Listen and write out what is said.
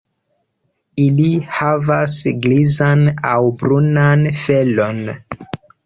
Ili havas grizan aŭ brunan felon.